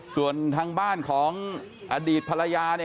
ส่วนทางบ้านของอดีตภรรยาเนี่ย